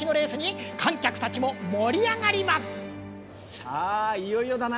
さあいよいよだな！